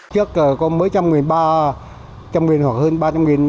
trước có mấy trăm nghìn ba trăm nghìn hoặc hơn ba trăm nghìn